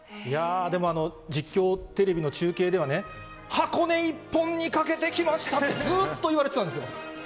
いやー、でも実況、テレビの中継では、箱根１本にかけてきましたってずっと言われてたんですよ。